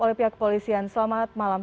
oleh pihak kepolisian selamat malam